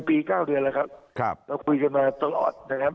ปี๙เดือนแล้วครับเราคุยกันมาตลอดนะครับ